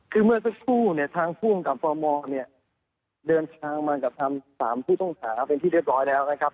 คือเมื่อสักครู่เนี่ยทางภูมิกับฟมเนี่ยเดินทางมากับทางสามผู้ต้องหาเป็นที่เรียบร้อยแล้วนะครับ